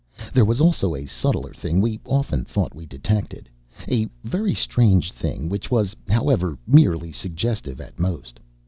There was also a subtler thing we often thought we detected a very strange thing which was, however, merely suggestive at most.